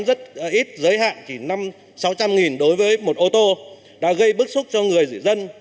cây xăng rất ít giới hạn chỉ năm trăm linh sáu trăm linh nghìn đối với một ô tô đã gây bức xúc cho người dự dân